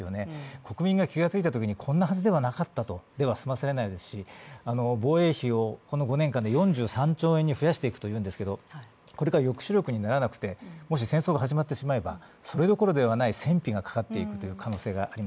国民が気がついたときに、こんなはずできなかったでは済まされないですし、防衛費をこの５年間で４３兆円に増やしていくというんですけど、これが抑止力にならないでもし戦争が始まってしまえばそればかりではない戦費がかかってしまいます。